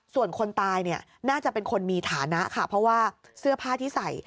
ส่วนคนตายเนี่ยน่าจะเป็นคนมีฐานะค่ะเพราะว่าเสื้อผ้าที่ใส่